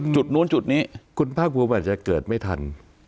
จุดนู้นจุดนี้คุณภาคภูมิอาจจะเกิดไม่ทัน